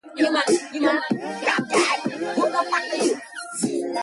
A short time after the album was released, bassist King quit the band.